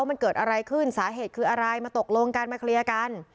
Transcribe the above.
มันเกิดอะไรขึ้นสาเหตุคืออะไรมาตกลงกันมาเคลียร์กัน